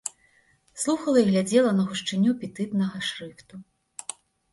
Слухала і глядзела на гушчыню петытнага шрыфту.